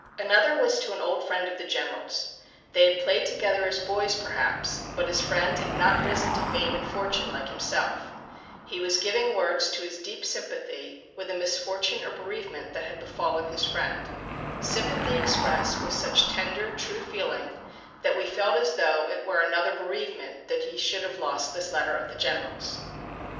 Another was to an old friend of the general's. They had played together as boys, perhaps, but his friend had not risen to fame and fortune, like himself; he was giving words to his deep sympathy with a misfortune or bereavement that had befallen his friend sympathy expressed with such tender, true feeling, that we felt as though it were another bereavement that he should have lost this letter of the general's.